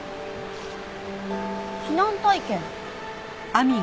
避難体験。